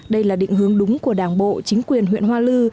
đây là định hướng đúng của đảng bộ chính quyền huyện hoa lư